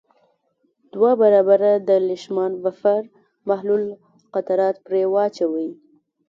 دوه برابره د لیشمان بفر محلول قطرات پرې واچوئ.